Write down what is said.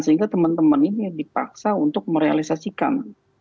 sehingga teman teman ini dipaksa untuk merealisasikan